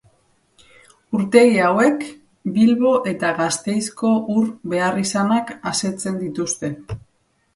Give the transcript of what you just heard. Urtegi hauek Bilbo eta Gasteizko ur beharrizanak asetzen dituzte.